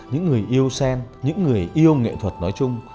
những người yêu sen những người yêu nghệ thuật nói chung